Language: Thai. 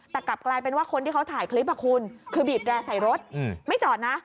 แต่กลับกลายเป็นว่าคนที่เขาถ่ายคลิปคุณคือบีบแร่ใส่รถไม่จอดนะ